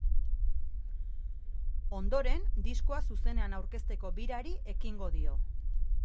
Ondoren, diskoa zuzenean aurkezteko birari ekingo dio.